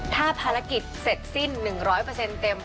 ถ้าภารกิจเสร็จสิ้น๑๐๐เต็ม